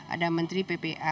ada menteri pembangunan